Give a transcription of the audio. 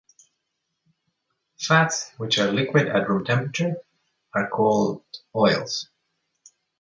Fats, which are liquid at room temperature, are called oils.